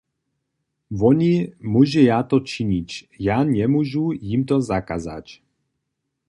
Woni móžeja to činić, ja njemóžu jim to zakazać.